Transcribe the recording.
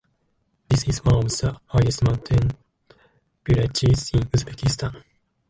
This is one of the highest mountain villages in Uzbekistan.